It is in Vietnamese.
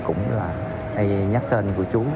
cũng hay nhắc tên của chú